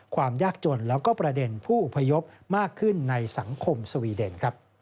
ความยากจนแล้วก็ประเด็นผู้อพยพมากขึ้นในสังคมสวีเดน